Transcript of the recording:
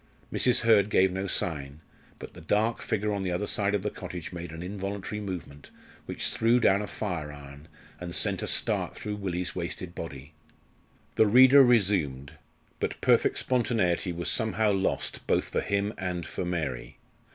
Mrs. Hurd gave no sign, but the dark figure on the other side of the cottage made an involuntary movement, which threw down a fire iron, and sent a start through Willie's wasted body. The reader resumed; but perfect spontaneity was somehow lost both for him and for Mary.